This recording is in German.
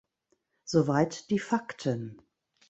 Soweit die Fakten.